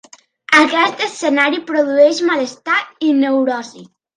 Aquest escenari produeix malestar i neurosi.